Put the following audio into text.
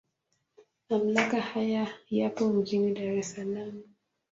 Mamlaka haya yapo mjini Dar es Salaam.